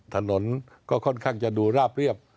ถนนก็ค่อนข้างจะดูราบเรียบ